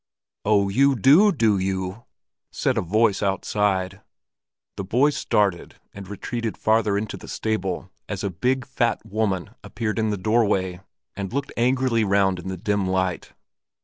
"Oh, you do, do you!" said a voice outside. The boys started and retreated farther into the stable, as a big, fat woman appeared in the doorway, and looked angrily round in the dim light.